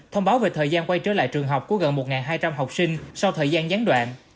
thông báo về thời gian quay trở lại trường học của gần một hai trăm linh học sinh sau thời gian gián đoạn